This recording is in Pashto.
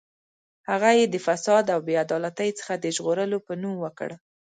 هغه یې د فساد او بې عدالتۍ څخه د ژغورلو په نوم وکړ.